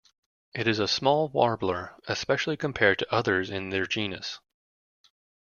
It is a small warbler, especially compared to others in their genus.